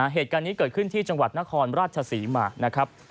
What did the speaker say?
เหตุการณ์นี้เกิดขึ้นที่จังหวัดนครราชศรีมานะครับ